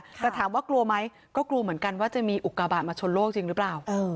แต่ถามว่ากลัวไหมก็กลัวเหมือนกันว่าจะมีอุกาบาทมาชนโลกจริงหรือเปล่า